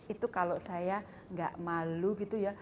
itu kalau saya nggak malu gitu ya